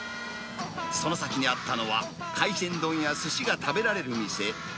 その先にあったのは、海鮮丼やすしが食べられる店。